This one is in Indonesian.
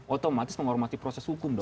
otomatis menghormati proses hukum dong